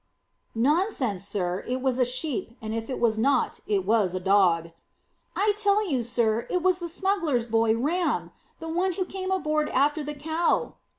"Nonsense, sir; it was a sheep, and if it was not, it was a dog." "I tell you, sir, it was the smuggler's boy, Ram, the one who came aboard after the cow."